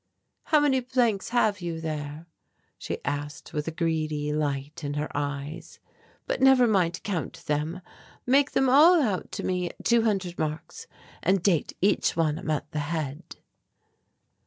"How many blanks have you there?" she asked with a greedy light in her eyes "but never mind to count them. Make them all out to me at two hundred marks, and date each one a month ahead."